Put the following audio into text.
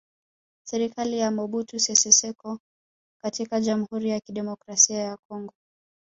Serikali ya Mobutu Sese Seko katika Jamhuri ya Kidemokrasia ya Kongo